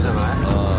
うん。